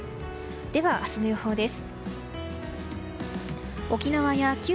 では、明日の予報です。